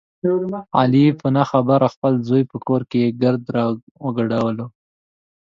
علي په نه خبره خپل زوی په کور کې ګرد را وګډولو.